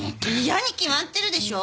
嫌に決まってるでしょ。